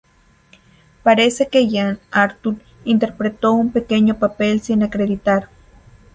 Parece que Jean Arthur interpretó un pequeño papel sin acreditar.